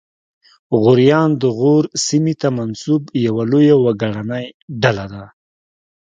غوریان د غور سیمې ته منسوب یوه لویه وګړنۍ ډله ده